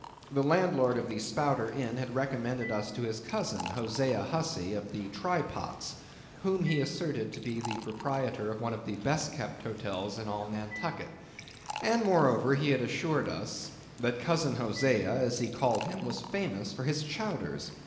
The landlord of the Spouter Inn had recommended us to his cousin Hosea Hussey of the Try Pots, whom he asserted to be the proprietor of one of the best kept hotels in all Nantucket, and moreover he had assured us that Cousin Hosea, as he called him, was famous for his chowders.